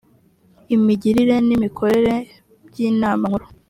imigirire n’imikorere by’inama nkuru